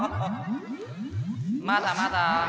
まだまだ。